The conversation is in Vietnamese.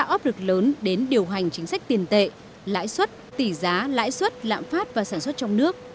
áp lực lớn đến điều hành chính sách tiền tệ lãi suất tỷ giá lãi suất lạm phát và sản xuất trong nước